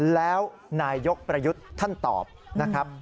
แล้วนายกประยุทธ์ท่านตอบนะครับ